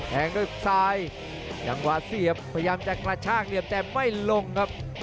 แทงด้วยซ้ายจังหวะเสียบพยายามจะกระชากเหลี่ยมแต่ไม่ลงครับ